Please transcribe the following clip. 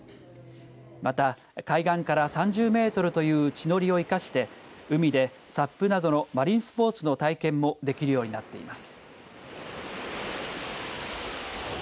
また、海岸から３０メートルという地の利を生かして海でサップなどのマリンスポーツの体験もできるようになっています。